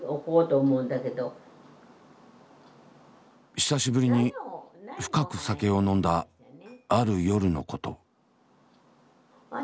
久しぶりに深く酒を飲んだある夜のこと。